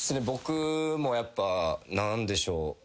僕もやっぱ何でしょう。